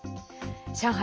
上海